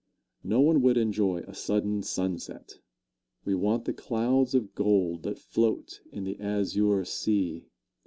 No one would enjoy a sudden sunset we want the clouds of gold that float in the azure sea.